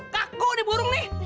kaku nih burung nih